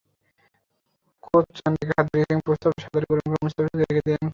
Coach Chandika Hathurusingha প্রস্তাবটা সাদরে গ্রহণ করে মুস্তাফিজকে রেখে দিলেন খুলনায়।